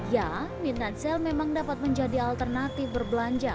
ya midnight sale memang dapat menjadi alternatif berbelanja